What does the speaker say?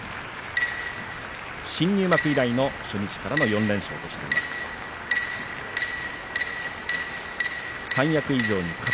新入幕以来の初日からの４連勝。